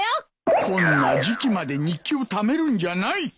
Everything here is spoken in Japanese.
こんな時期まで日記をためるんじゃない。